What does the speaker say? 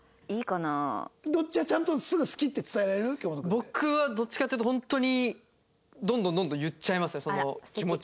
僕はどっちかというと本当にどんどんどんどん言っちゃいますね気持ちを。